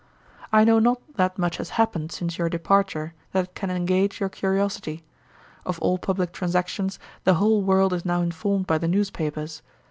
'I know not that much has happened since your departure that can engage your curiosity. Of all publick transactions the whole world is now informed by the newspapers.